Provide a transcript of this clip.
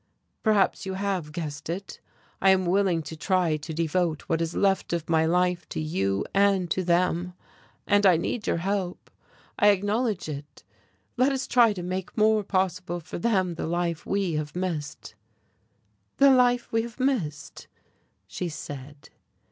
"Perhaps you have guessed it. I am willing to try to devote what is left of my life to you and to them. And I need your help. I acknowledge it. Let us try to make more possible for them the life we have missed." "The life we have missed!" she said.